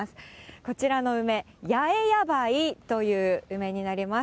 こちらの梅、八重野梅という梅になります。